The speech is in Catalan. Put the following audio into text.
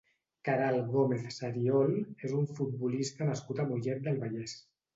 Queralt Gómez Sariol és una futbolista nascuda a Mollet del Vallès.